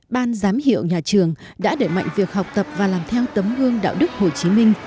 ban giám hiệu nhà trường đã để mạnh việc học tập và làm theo tấm gương đạo đức hồ chí minh